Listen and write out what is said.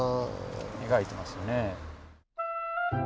描いてますよね。